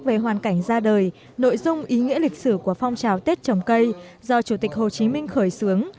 về hoàn cảnh ra đời nội dung ý nghĩa lịch sử của phong trào tết trồng cây do chủ tịch hồ chí minh khởi xướng